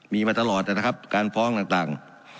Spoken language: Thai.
มีมาตลอดนะครับการฟ้องต่าง